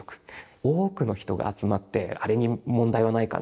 多くの人が集まって「あれに問題はないかな」